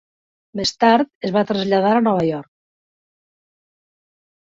Més tard es va traslladar a Nova York.